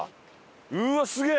うわっすげえ！